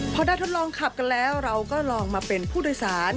พอได้ทดลองขับกันแล้วเราก็ลองมาเป็นผู้โดยสาร